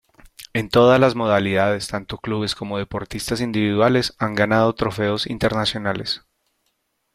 En todas las modalidades, tanto clubes como deportistas individuales han ganado trofeos internacionales.